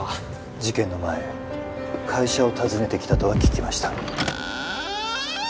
事件の前会社を訪ねてきたとは聞きました